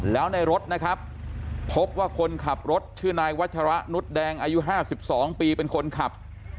แล้วในรถนะครับพบว่าคนขับรถชื่อนายวัชระนุษย์แดงอายุ๕๒ปีเป็นคนขับ